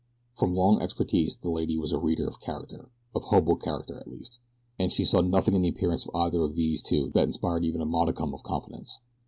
From long experience the lady was a reader of character of hobo character at least and she saw nothing in the appearance of either of these two that inspired even a modicum of confidence.